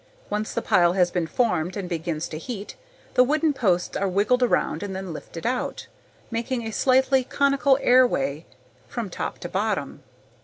Once the pile has been formed and begins to heat, the wooden posts are wiggled around and then lifted out, making a slightly conical airway from top to bottom.